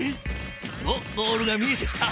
おっゴールが見えてきた。